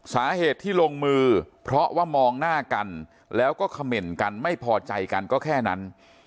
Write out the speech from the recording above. สาเหตุที่ลงมือเพราะว่ามองหน้ากันแล้วก็เขม่นกันไม่พอใจกันก็แค่นั้น